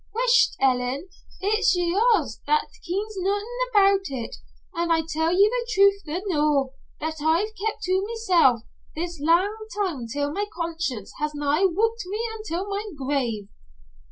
"Whish't, Ellen, it's ye'rsel' that kens neathin' aboot it, an' I'll tell ye the truth the noo that I've kept to mysel' this lang time till my conscience has nigh whupped me intil my grave."